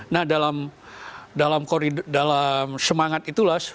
nah dalam semangat itulah